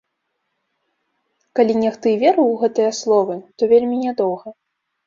Калі нехта і верыў у гэтыя словы, то вельмі нядоўга.